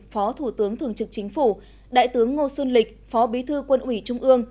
phó thủ tướng thường trực chính phủ đại tướng ngô xuân lịch phó bí thư quân ủy trung ương